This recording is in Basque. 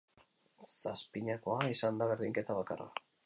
Zazpinakoa izan da berdinketa bakarra.